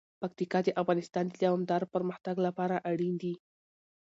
پکتیکا د افغانستان د دوامداره پرمختګ لپاره اړین دي.